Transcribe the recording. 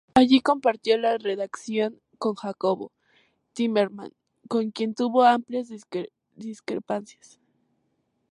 Allí compartió la redacción con Jacobo Timerman, con quien tuvo amplias discrepancias.